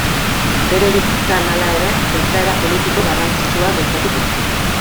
Bere bizitzan, hala ere, gertaera politiko garrantzitsuak gertatu ziren.